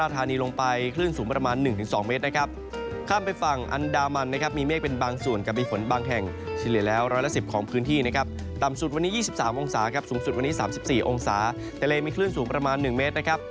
ทะเลมีคลื่นสูงประมาณ๑เมตร